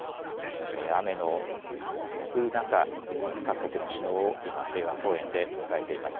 雨の降る中、各国の首脳、今、平和公園で迎えています。